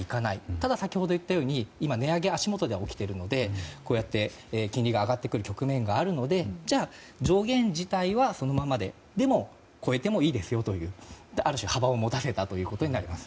ただ先ほど言ったように値上げが足元では起きているのでこうやって金利が上がってくる局面があるのでじゃあ、上限自体はそのままででも、超えてもいいですよというある種幅を持たせたことになります。